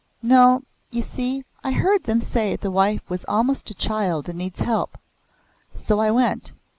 "No, you see I heard them say the wife was almost a child and needs help. So I went.